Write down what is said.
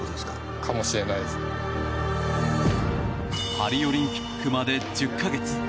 パリオリンピックまで１０か月。